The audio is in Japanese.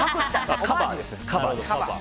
カバーですね。